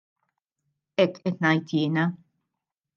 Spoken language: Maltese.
Hekk qed ngħid jiena.